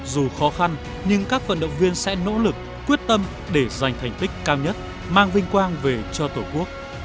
dù khó khăn nhưng các vận động viên sẽ nỗ lực quyết tâm để giành thành tích cao nhất mang vinh quang về cho tổ quốc